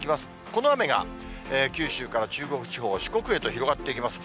この雨が九州から中国地方、四国へと広がっていきます。